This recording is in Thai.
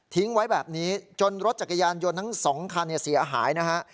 ไว้แบบนี้จนรถจักรยานยนต์ทั้งสองคันเสียหายนะฮะ